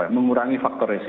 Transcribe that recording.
mengurangi faktor resiko renhar